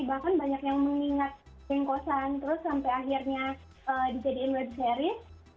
bahkan banyak yang mengingat jengkosan terus sampai akhirnya dijadiin web series